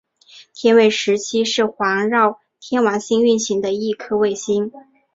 天卫十七是环绕天王星运行的一颗卫星。